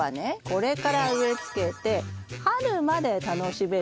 これから植えつけて春まで楽しめる方がいいですね。